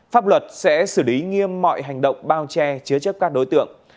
pháp luật sẽ xử lý nghiêm mọi hành động bao che chứa chấp các đối tượng